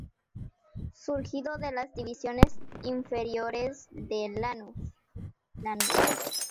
Surgido de las divisiones inferiores de Lanús.